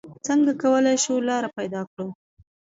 څنګه کولې شو لاره پېدا کړو؟